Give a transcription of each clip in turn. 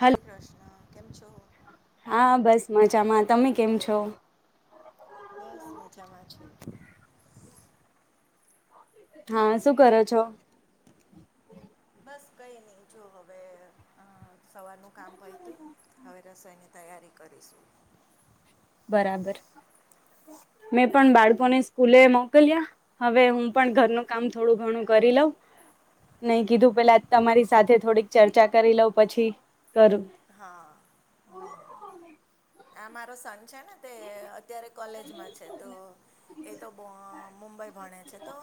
Hello Krishna કેમ છો હા બસ મજામાં તમે કેમ છો? બસ મજામાં છું. હા શું કરો છો? બ કઈ નહી જો હવે સવારનું કામ પયતું હવે રસોઈ ન તૈયારી કરીશું બરાબર મેં પણ બાળકોને સ્કૂલે મોકલ્યા હવે હું પણ ઘરનું કામ થોડું ઘણું કરી લોઉ નહી કીધું પેલા તમારી સાથે થોડીક ચર્ચા કરી લઉ પછી કરું હા હમ એમાં મા સન છે ને તે અત્યારે કોલેજમાં છે તો એ તો મુંબઈ ભણે છે તો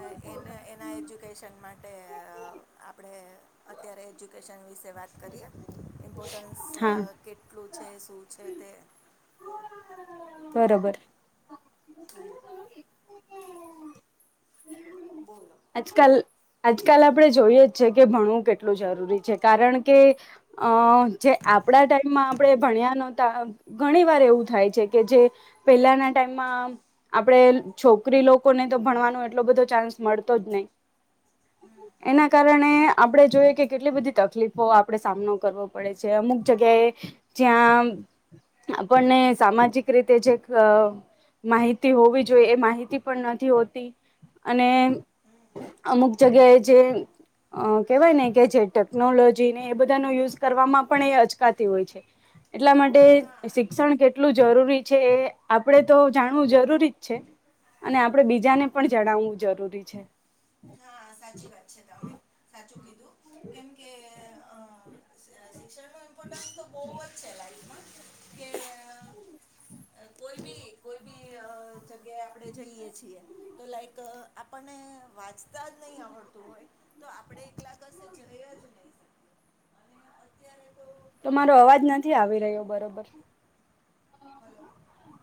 એ એના એજ્યુકેશન માટે આપણે અત્યારે એજ્યુકેશન વિશે વાત કરીએ રટન્સ હા કેટલું છે શું છે તે બરોબર બોલો આજ કાલ આજકાલ આપણે જોઈએ જ છે કે ભણવું કેટલું જરૂરી છે કારણ કે અ જે આપણા ટાઈમમાં આપણે ભણ્યા નહોતા ઘણી વાર એવું થાય છે કે જે પહેલાના ટાઈમમાં આપણેે છોકરી લોકોને તો ભણવાનો એટલો બધો ચાન્સ મળતો જ નહી હમ એના કારણે આપણે જોઈએ કે કેટલી બધી તકલીફો આપણે સામનો કરવો પડે છે અમુક જગ્યાએ જ્યાં આપણને સામાજિક રીતે જે માહિતી હોવી જોઈએ એ માહિતી પણ નથી હોતી અને અમુક જગ્યાએ જે અ કેહેવાય ને કે જે ટેકનોલોજીને એ બધાનો યુઝ કરવામાં પણ એ અચકાતી હોય છે એટલા માટે હા શિક્ષણ કેટલું જરૂરી છે એ આપડે તો જાણવું જરૂરી જ છે અને આપડે બીજાને પણ જણાવવું જરૂરી છે હા સાચી વાત છે તમે સાચું કીધું કેમ કે શિક્ષણ ન ઇમ્પોર્ટ તો બહુજ છે [inaudible] કે કોઈ બી કોઈ જગ્યાએ આપણે જઈએ છીએ તો લાઈક આપણને વા નહી આવડતું હોય તો આપણે એકલા કશે જઈ જ નહી [unintelligible] તમારો અવાજ નથી આવી રહ્યો ટેકનોલોજી બરોબર હલો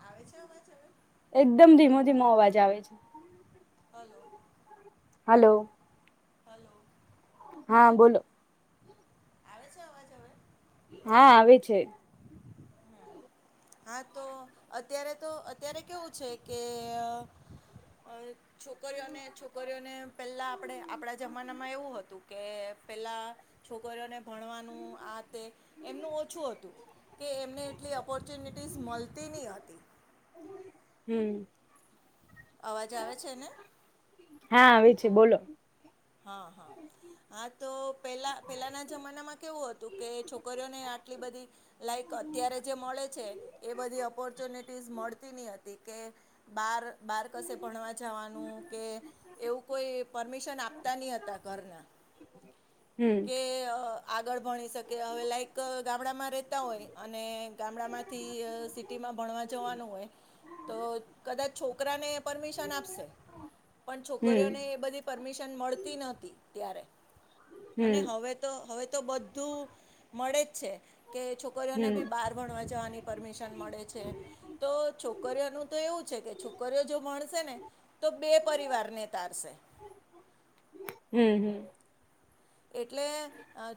આવે છે અવાજ હવે એકદમ ધીમો ધીમો અવાજ આવે છે હલો હલો હલો હા બોલો આવે છે અવાજ હવે હા આવે છે હા તો અત્યારે તો અત્યારે કેવું છે કે છોકરીઓને છોકરીઓને પેલા આપણે આપણા જમાનામાં એવું હતું કે પેલા છોકરીઓને ભણવાનું આ તે એમનું ઓછું હતું કે એમને એટલી ઓપોર્ચુનિટીસ મળતી નહ હતી હમ અવાજ આવે છે ને હા આવી છે બોલો હા હા હા તો પેલા પેલાના જમાનામાં કેવું હતું કે છોકરીઓને આ બધ લક અત્યારે જે મળે છે એ બધી ઓપોર્ચ્યુનિટી મળતી ન હતી કે બાર બાર કશે ભણવા જવાનું કે એવું કોઈ પરમિશન આપ તાનીયતા કરના હમ આગળ ભણી શકે હવે લાઈક ગામડામાં રહેતા હોય અને ગામડામાંથી સિટીમાં ભણવા જવાનું હોય તો કદાચ છોકરાને પરમિશન આપશે પણ હમ છોકરીઓને એ બધી પરમિશન મળતી નહતી ત્યારે અને હમ હવે તો હવે તો બધું મળે જ છે કે છોકરીઓને હમ બી બહાર ભણવા જવાની પરમિશન મળે છે તો છોકરીઓનું તો એવું છે કે છોકરીઓ જો મળશે ને તો બે પરિવાર ને તારશે હમ હમ એટલે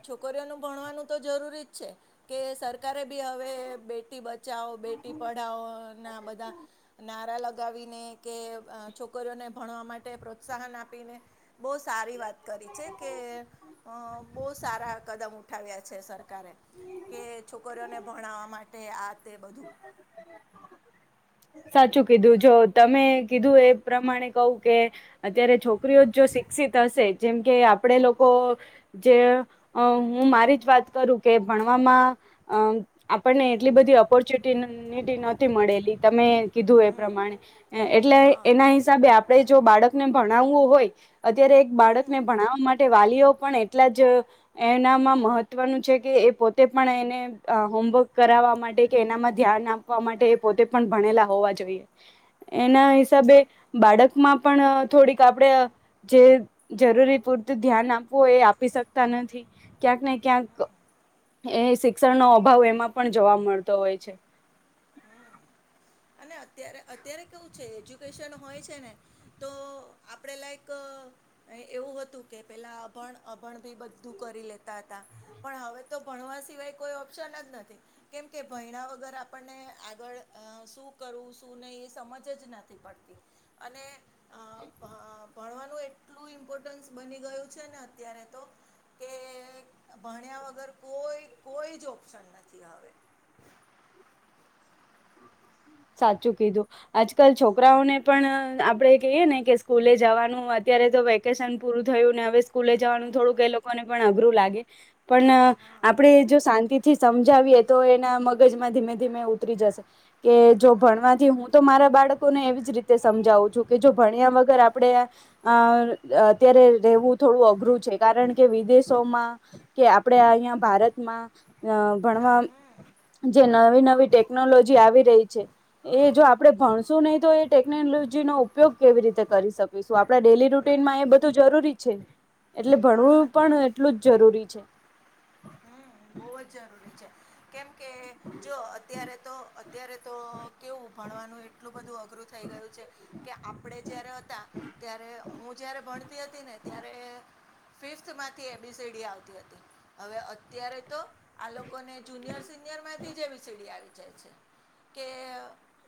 છોકરીઓનું ભણવાનું તો જરૂરી જ છે કે સર સરકારે બી હવે બેટી બચાવો બેટી પઢાાવો ના બધા નારા લગ ગાવીને કે છોકરીઓને ભણવા માટે પ્રોત્સાહન આપીને બહુ સારી વાત કરી છે કે બહુ સારા કદમ ઉઠાવ્યા છે સરકારે કે છોકરીઓને ભણાવવા માટે આ તે બધું હ સાચું કીધું જો તમે કીધું એ પ્રમાણે કહ કે અત્યારે છોકરીઓ જ જો વિક હશે જેમ કે આપડ લોકો જે હું મારી જ વાત કરું કે ભણવામાં અ આપણને એટલી બધી ઓપોર્ચ્યુનિનિટી નથીતી મળેલી તમે કીધું એ હમ પ્રમાણે એટલે હા એના હિસાબે આપણે જ જો બાળકને ભણાવવું હોય અત્યારે એક હમ બાળકને ભણાવવા માટે વાલીઓ પણ એટલા જ એનામાં મહત્વનું છે કે એ પોતે પણ એને હોમવર્ક કરાવવા માટે કે એનામાં ધ્યાન આપવા માટે પોતે પણ ભણેલા હોવા જોઈએ એના હા હિસાબે બાળકમાં પણ થોડીક આપડે જે જરૂરી પૂરતું ધ્યાન આપવું એ આપી શકતા નથી ક્યાંક ને ક્યાંક એ શિક્ષણનો અભાવ એમાં પણ જોવા મળતો હોય છે અને અત્યારે અત્યારે કેવું છે એજ્યુકેશન હોય છે ને તો આપણે લાઈક એવું હતું કે પેલા અભણ અભણ ભી બધું કરી લેતા હતા પણ હવે તો ભણવા સિવાય કોઈ ઓપ્શન જ નથી કેમ કે ભયણા વગર આપણને આગળ શું કરું શું નહી એ સમજ જ નથી પડતી અને અ, ભ- એટલું ઇમ્પોર્ટન્સ બની ગયું છે ને અત્યારે તો કે ભણ્યા વગર કોઈ કોઈ જ ઓપ્શન નથી હવે હમ સાચું કીધું આજકાલ છોકરાઓને પણ આપડે કહીએ ને કે સ્કૂલે જવાનું અત્યારે તો વેકેશન પૂરું થયું ને હવે સ્કૂલે જવાનું થોડુંક એ લોકોને પણ અઘરું લાગે પણ હા આપણેે જો શાંતિથી સમજાવીએ તો એના મગજમાં ધીમે ધીમે ઉતરી જશે કે જો ભણવાથી હું તો મારા બાળકોને એવી જ રીતે સમજાવું છું કે જો ભણ્યા વગર આપડે અ અત્યારે રહેવું થોડું અઘરું છે કારણ કે વિદેશોમાં કે આપણેે અહિયાયા ભારતમાં ભણવા હમ હમ જે નવી નવી ટેકનોલોજી આવી રહી છે એ જો આપડણે ભણશું નહી તો એ ટેકનોલોજી નો ઉપયોગ કેવી રીતે કરી શકે આપડા ડેલી રૂટીનમાં એ બધું જરૂરી છે એટલે ભણવું હા તો પણ એટલું જ જરૂરી છે હમ બહુ જ જરૂરી છે કેમ કે જો અત્યારે તો અત્યારે તો કેવું ભણ એટલું બધું અઘરું થઈ ગયું છે કે આપણે જયારે હતા ત્યારે હું જયારે ભણતી તમાંથી એબીસીડી આવતી હતી હવે અત્યારે તો આ લોકોને જુનિયર સિનિયર માંથી જેવી સીડી આવી જાય છે કે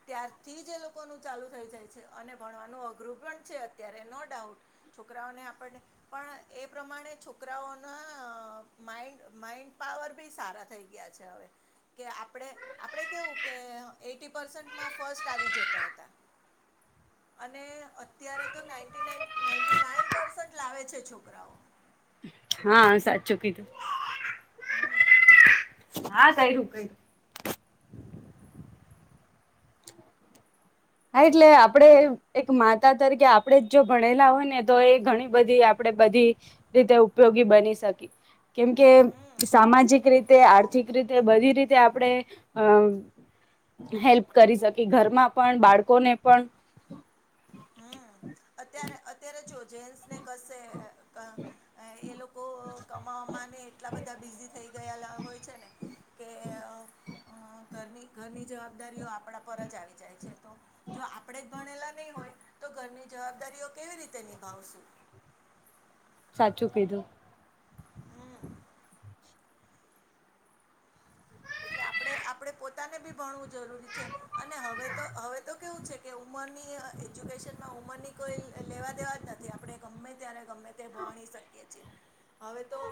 ત્યારથી જ એ લોકો ન ચાલુ થઈ જાય છે અને ભણવાનું અઘરું પણ છે અત ત્યારે નો ડાઉટ છોકરાઓને આપણને પણ એ પ્રમાણે છોકરાઓના માઇન્ડ માઈન્ડ પાવર ભી સારા થઈ ગયા છે હવે કે આપણે આપડે કેવું કે એટી પસન્ટમાં ફસ્ટ આવી જતા હતા અને અત્યારે ના ના ના નાન પરસન્ટ લાવે છે છોકરાઓ હા સાચું કીધું હમ હા કઈું કઈું [inaudible] [inaudible] [inaudible] હા એટલે આપણે એક માતા તરીકે આપણેે જ જો ભણેલા હોય ને તો એ ઘણી બધી આપડે રીતે ઉપયોગી બની શકી કેમ કે હમ સામાજિક રીતે આર્થિક રીતે બધી રીતે આપડણે અમ હેલ્પ કરી શકી ઘરમાં પણ બાળકોને પણ હમ અત્યારે અત્યારે ચો જેન્ટ્સને કશે એ લોકો કમાવામાં એટલા બધા બિઝી થઈ ગયલા હોય છે ને કે ઘરની ઘરની જવાબદારીઓ આપણા પર જ આવી જાય છે તો જો આપણે જ ભણેલા નહીં હોય તો ઘરની જવાબદારીઓ કેવી રીતે નિભાવશું સાચું કીધું હમ એટલે આપણે આપણે પોતાને બી ભણવું જરૂરી છે અને હવે તો હવે તો કેવું છે કે ઉંમરની એજ્યુકેશનમાં ઉંમરની કોઈ લેવા દેવા જ નથી આપણે ગમે ત્યારે ગમે તે જાણી શકી છે હવે તો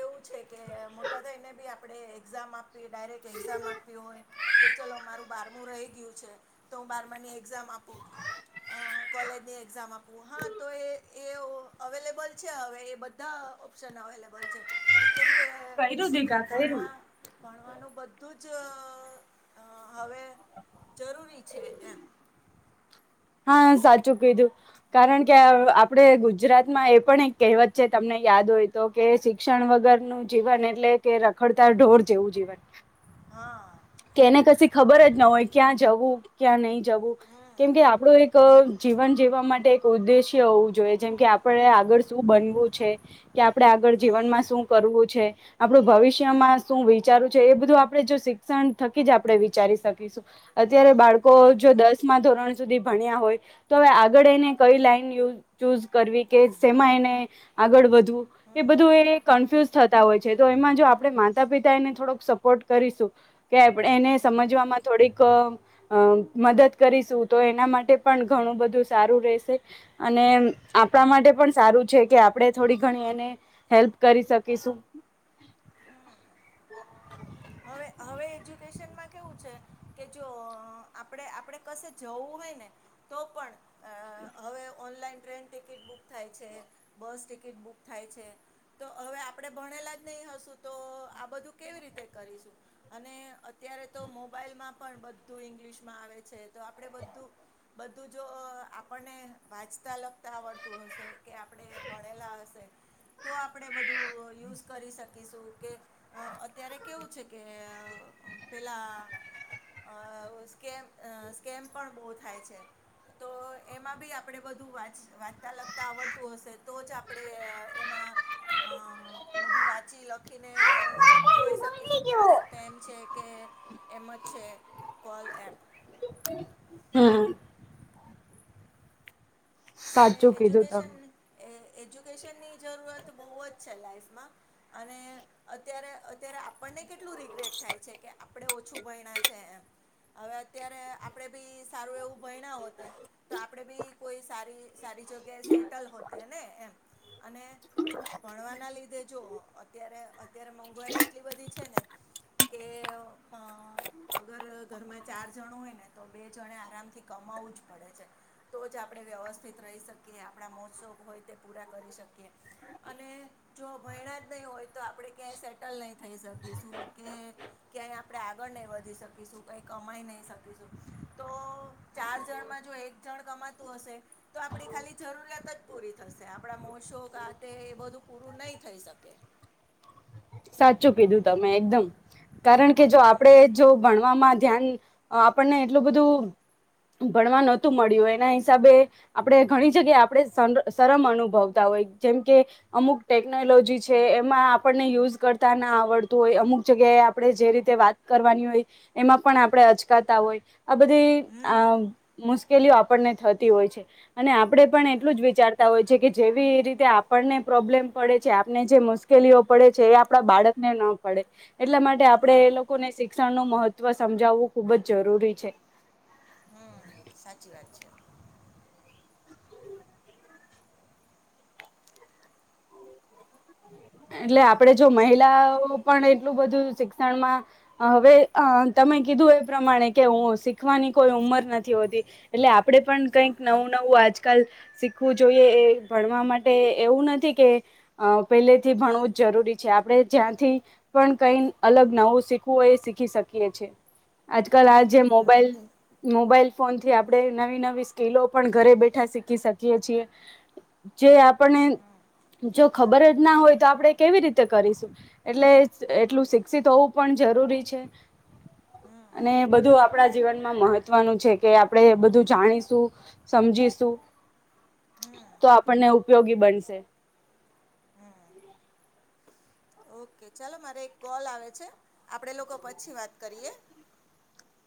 એવું છે કે મોટા થાયને બી આપણે એક્ઝામ આપ ડાયરેક્ટ એક્ઝામ આપ્યું હોય કે ચલો મારું બારમું રહી ગયું છે તો હું બારમાની એક્ઝામ આપું અ કોલેજની એક્ઝામ આપવું હા તો એ એ અવેલેબલ છે હવે એ બધા ઓપ્શન અવેલેબલ છે કેમ કે કર્યું દીઘા કર્યું કરવાનું બધું જ હવે જરૂરી છે એમ [inaudible] હા સાચું કીધું કારણ કે આપડે ગુજરાતમાં એ પણ એક કહેવત છે તમને યાદ તો કે શિક્ષણ વગર નું જીવન એટલે કે રખડતા ઢોર જેવું જીવન હા કે એને કશી ખબર જ ન હોય ક્યાં જવું ક્યાં નહી જ જ હમ કેમ કે આપડું એક જીવન જીવા માટે ઉદ્દેશ્ય હોવું જોઈએ જેમ કે આપણે આગળ શું બનવું છે કે આપડણે આગળ હમ જીવનમાં શું કરવું આપડું ભવિષ્યમાં શું વિચારું છે એ બધું આપણે જો શ્ થકી જ આપણે વિચારી શકીશું અત્યારે બાળકો હા જો દસ માં ધોરણ સુધી ભણ્યા હોય તો હવે આગળ એને કઈ લાઈન ચૂઝ કરવી કેમાં એને આગળ વધવું એ હમ બધું એ હમ કન્ફ્યુઝ થતા હોય છે તો એમાં જો આપડણે માતા પિતા એને થોડોક સપોર્ટ કરીશું કે આપ એને હમ સમજવામાં થોડીક મદદ કરીશું તો એના માટે પણ ણું બધું સારું રહેશે અને આપણા માટે પણ સારું છે કે આપણે થોડી ઘણી હ કરી પ છેે કે જો આપણે આપણે ક જવું હોય ને તો પણ હવે ઓનલાઈન ટ્રેન ટિકિટ બુક થાય છે બસ ટિકિટ બુક થાય છે તો હવે આપડણે ભણેલા જ નહી હશું તો આ બધું કેવી રીતે અને અત્યારે તો મોબાઈલમાં પણ બધું ઇંગ્લિશ માં આવે છે તો આપણેે બધું બધું જો આપણને વાજતા લગતા આવડતું હશે કે આપણે ભળેલા હશે તો આપણે બધું યુઝ કરી શકીશું કે અત્યારે કેવું છે કે પેલા અ સ્કેમ સ્કેમ પણ બહુ થાય છે તો એમાં બી આપણેે બુ વાંચતા લગતા આવડતું હશે તો જ આપણેે એમાં હ બધું વાંચી લખીને જોઈ શકે કે શું ક્યા સ્ટેમ છે કે એમ જ છે કોલ એપ હમ એટલે સાચું કીધું એજ્યુકેશન તમે એજ્યુકેશનની જરૂરત બહુ જ છે લાાઈફમાં અને અત્યારે અત્યારે આપણ મ કેટલું રિગ્રેટ થાય છે કે આપણેે ઓછું ભયણા છે એમ હવે અત્યારે આપડે બી સારું એવું ભય ના હોતે તો આપડે બી કોઈ સ સારી જગ્યા સેટલ ને એમ અને ભણવાના લીધે જો અત્યારે અત્યારે મોંઘવારી એટલી બધી છે ને કે અગર ઘરમાં ચાર જણ હોય ને તો બે જણે આરામ થી કમ પડે છે તો જ આપણે વ્યવસ્થા રહી શકીએ આપણા મોત્સો હોય તે પૂરા કરી શકીએ અને જો ભયણા જ નહી હોય તો આપણે ક્યાંય સેટલ નહી થઈ શકીશું ક્યાંય આપણે આગળ નહી વધી શકીશું કઈ કમાઈ નહી શકીશું તો ચાર જણમાં જો એક જણ કમાતું હશે તો આપડી ખાલી જરૂરિયાત જ પૂરી થશે આપણા મોશો કાતે એ બધું પૂરું નહી થઈ શકે સાચું કીધું તમે એકદમ કારણ કે જો હમ આપણેે જો ભણવામાં ધ્યાન આપણને એટલું બધું ભણવા નહોતું મળ્યું એના હિસાબે આપણેે ઘણી જગ્યાએ આપડ સરરમ અનુભવતા હોય જેમ કે અમુક ટેકનોલોજી છે એમાં આપણને યુઝ કરતા ના આવડતું હોય અમુક જગ્યાએ આપણે જે રીતે વાત કરવાની હોય એમાં પણ આપણે અચકાતા હોય આપ બધી હમ આ મુશ્કેલીઓ આપણને થતી હોય છે અને આપણે પણ હમ એટલું જ વિચારતા હોય છે કે જેવી રીતે આપ ને પ્રોબ્લેમ પડે છે આપને જે મુશ્કેલીઓ પડે છે એ આપ બાળકને ના પડે એટલા માટે આપણેે હા એ લોકો ને શીખ શિક્ષણ નું મહત્વ સમજાવવું ખુબ જ જરૂરી છે હમ સાચી વાત છે એટલે આપડે જો હાલ મહિલા પણ એટલું બધું શિક્ષણમાં હવે તમે કીધું એ પ્રમાણે કે હું શીખવાની કોઈ ઉમર નથી હોતી એટલે આપડે પણ હમ કઈક નવું નવું આજકાલ શીખવું જોઈએ એ ભણવા માટે એવું નથી કે અ પહેલે થી ભણવું જ જરૂરી છે આપણે જ્યાંથી પણ કઈ અલગ નવું શીખવું હોય ી શકી આજલ આ હમ જે મોબાઈલ બરાબર છે મોબાઈલ ફોન થી આપડણે નવી નવી સ્કીિલો પણ ઘરે બેઠા શીખી શકીએ છીએ જે આપણે હમ જો ખબર જ ના હોય તો આપણે કેવી રીતે કરીશું એટલે એટલું શિક્ષિત હોવું પણ જરૂરી છે. હમ [inaudible] અને બધું આપણા જીવનમાં મહત્વનું છે કે આપણેે બધું જાણીશું સમજીશું તો આપણને ઉપયોગી બનશે ઓકે ચાલો મારે એક કોલ આવે છે આપડે લોકો પછી વાત કરીએ